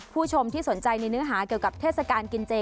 ผู้ชมที่สนใจในเนื้อหาเกี่ยวกับเทศกาลกินเจ